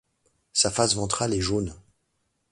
Sa face ventrale est jaune.